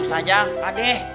ustadz aja pak deng